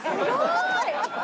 すごい！